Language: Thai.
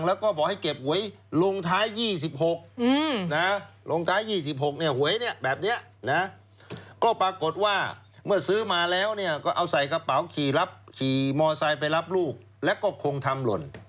แล้วก็บอกให้เก็บหวยลงท้าย๒๖หวยแบบนี้ก็ปรากฏว่าเมื่อซื้อมาแล้วเนี่ยก็เอาใส่กระเป๋าขี่มอไซค์ไปรับลูกแล้วก็คงทำหล่น